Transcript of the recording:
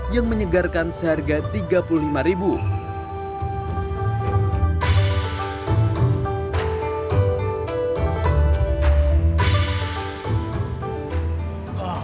yang menyegarkan seharga tiga puluh lima